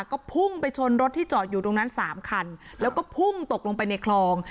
ก็พุ่งไปชนรถที่จอดอยู่ตรงนั้นสามคันแล้วก็พุ่งตกลงไปในคลอง